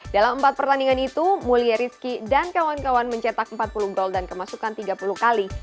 dalam empat pertandingan itu mulia rizky dan kawan kawan mencetak empat puluh gol dan kemasukan tiga puluh kali